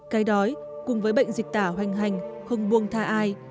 cái đói cùng với bệnh dịch tả hoành hành không buông tha ai